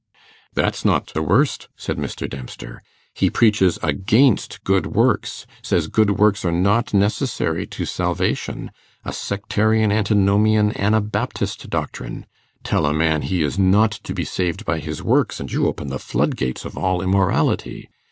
'That's not the worst,' said Mr. Dempster; 'he preaches against good works; says good works are not necessary to salvation a sectarian, antinomian, anabaptist doctrine. Tell a man he is not to be saved by his works, and you open the flood gates of all immorality.